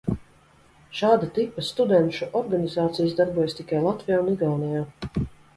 Šāda tipa studenšu organizācijas darbojas tikai Latvijā un Igaunijā.